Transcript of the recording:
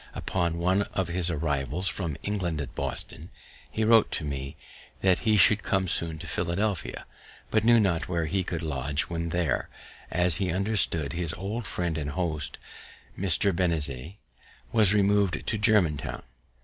Upon one of his arrivals from England at Boston, he wrote to me that he should come soon to Philadelphia, but knew not where he could lodge when there, as he understood his old friend and host, Mr. Benezet was removed to Germantown.